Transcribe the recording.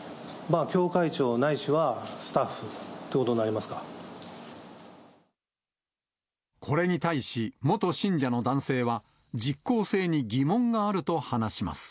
教会長ないしはスタッフといこれに対し、元信者の男性は、実効性に疑問があると話します。